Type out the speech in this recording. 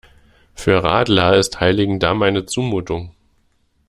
Für Radler ist Heiligendamm eine Zumutung.